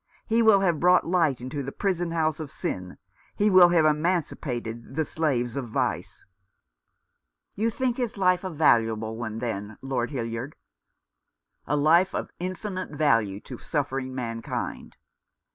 He will have brought light into the prison house of sin, he will have emancipated the slaves of vice." "You think his life a valuable one, then, Lord Hildyard ?" "A life of infinite value to suffering mankind."